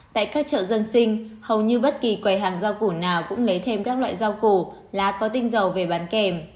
tại các chợ dân sinh hầu như bất kỳ quầy hàng rau củ nào cũng lấy thêm các loại rau củ lá có tinh dầu về bán kèm